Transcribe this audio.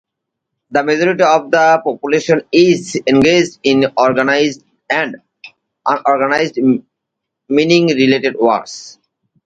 The majority of the population is engaged in organised and unorganised mining-related works.